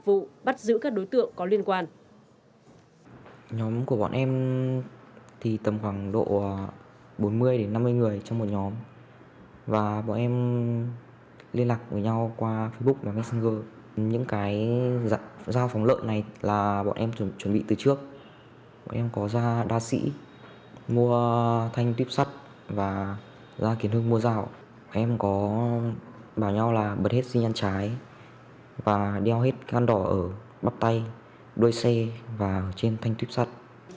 với các đơn vị nghiệp vụ bắt giữ các đối tượng có liên quan